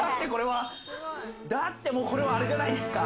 だってもうこれはアレじゃないですか！